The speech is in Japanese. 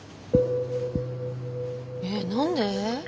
えっ何で？